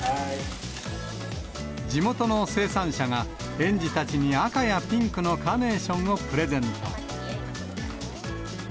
地元の生産者が、園児たちに赤やピンクのカーネーションをプレゼント。